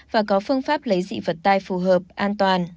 và có phương pháp lấy dị vật tai phù hợp an toàn